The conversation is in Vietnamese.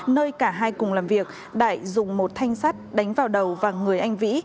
nơi cả hai cùng làm việc đại dùng một thanh sắt đánh vào đầu và người anh vĩ